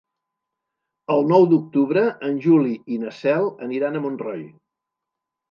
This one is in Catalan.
El nou d'octubre en Juli i na Cel aniran a Montroi.